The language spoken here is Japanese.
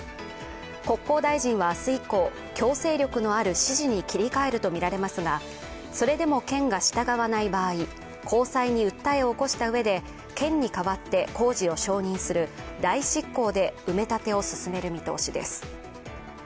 国交大臣は明日以降、強制力のある指示に切り替えるとみられますがそれでも県が従わない場合、高裁に訴えを起こしたうえで県に代わって工事を承認する代執行で埋め立てを進める見通しです。